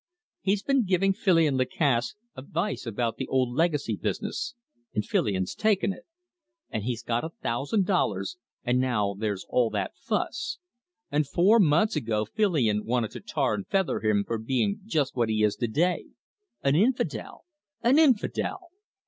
"He's been giving Filion Lacasse advice about the old legacy business, and Filion's taken it; and he's got a thousand dollars; and now there's all that fuss. And four months ago Filion wanted to tar and feather him for being just what he is to day an infidel an infidel!"